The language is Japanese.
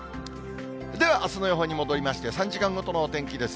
ではあすの予報に戻りまして、３時間ごとのお天気です。